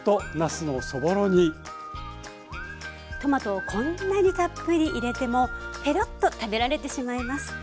トマトをこんなにたっぷり入れてもペロッと食べられてしまいます。